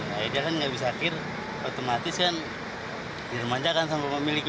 nah edarannya bisa kir otomatis kan dirumanjakan sama pemiliknya